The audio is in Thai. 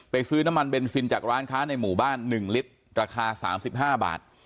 ไปซื้อน้ำมันเบนซินจากร้านค้าในหมู่บ้านหนึ่งลิตรราคาสามสิบห้าบาท